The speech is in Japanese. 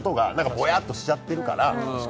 ボヤっとしちゃってるから。